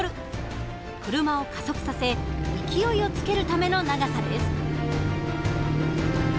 車を加速させ勢いをつけるための長さです。